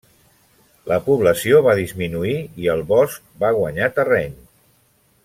La població va disminuir i el bosc va guanyar terreny.